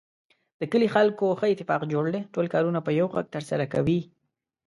د کلي خلکو ښه اتفاق جوړ دی. ټول کارونه په یوه غږ ترسره کوي.